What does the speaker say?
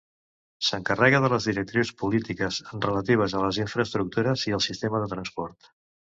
S'encarrega de les directrius polítiques relatives a les infraestructures i el sistema de transport.